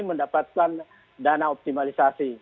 mendapatkan dana optimalisasi